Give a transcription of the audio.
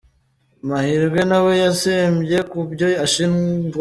Mahirwe na we yatsembye ku byo ashinjwa.